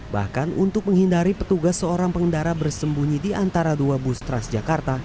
bahkan untuk menghindari petugas seorang pengendara bersembunyi di antara dua bus transjakarta